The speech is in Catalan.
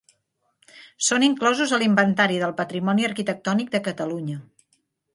Són inclosos a l'Inventari del Patrimoni Arquitectònic de Catalunya.